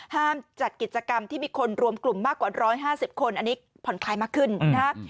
จัดกิจกรรมที่มีคนรวมกลุ่มมากกว่า๑๕๐คนอันนี้ผ่อนคลายมากขึ้นนะฮะ